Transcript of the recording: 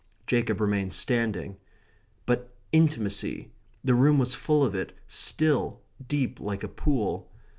Jacob remained standing. But intimacy the room was full of it, still, deep, like a pool.